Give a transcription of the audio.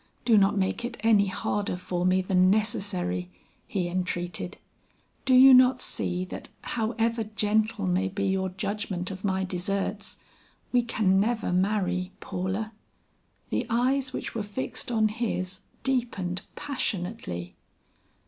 "Do not make it any harder for me than necessary," he entreated, "Do you not see that however gentle may be your judgment of my deserts, we can never marry, Paula?" The eyes which were fixed on his, deepened passionately.